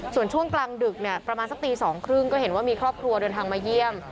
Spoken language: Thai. ส่วนช่วงกลางดึกเนี่ยประมาณสักตี๒๓๐ก็เห็นว่ามีครอบครัวเดินทางมาเยี่ยม